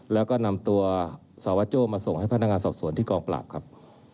แล้วก็นำตัวสวมาส่งให้พนักงานสอบสวนที่กองปราบครับ